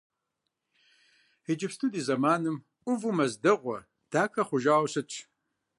Иджыпсту ди зэманым ӏуву мэз дэгъуэ, дахэ хъужауэ щытщ.